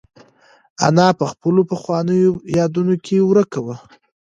انا په خپلو پخوانیو یادونو کې ورکه وه.